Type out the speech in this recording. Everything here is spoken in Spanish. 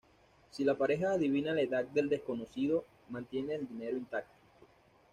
Si la pareja adivina la edad del desconocido, mantiene el dinero intacto.